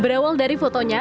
berawal dari fotonya